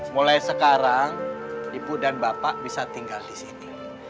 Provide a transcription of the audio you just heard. mulai sekarang ibu dan bapak bisa tinggal di sini